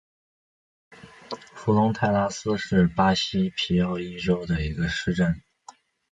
弗龙泰拉斯是巴西皮奥伊州的一个市镇。